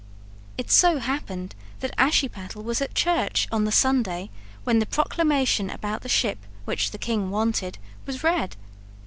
It so happened that Ashiepattle was at church on the Sunday when the proclamation about the ship, which the king wanted, was read.